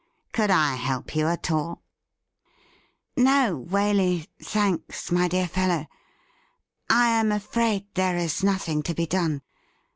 Could I help you at all .?'' No, Waley — thanks, my dear fellow. I am afraid there is nothing to be done.